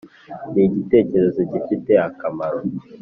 nigitekerezo gifite akamaro